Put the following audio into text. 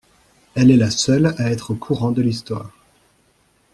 Elle est la seule à être au courant de l'histoire.